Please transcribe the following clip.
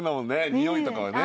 においとかね。